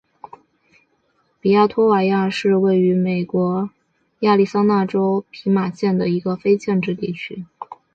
比亚托瓦亚是位于美国亚利桑那州皮马县的一个非建制地区。